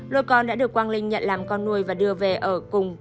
lô con đã được quang linh nhận làm con nuôi và đưa về ở cùng